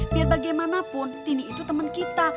biar bagaimanapun tini itu teman kita